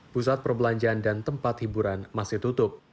pusat perbelanjaan dan tempat hiburan masih tutup